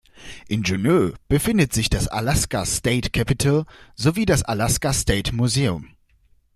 In Juneau befindet sich das Alaska State Capitol sowie das Alaska State Museum.